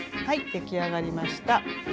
はいできあがりました！